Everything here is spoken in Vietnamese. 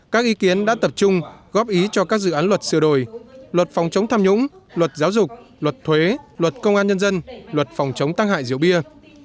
các ý kiến đã tập trung góp ý cho các dự án luật sửa đổi luật phòng chống tham nhũng luật giáo dục luật thuế luật công an nhân dân luật phòng chống tăng hại rượu bia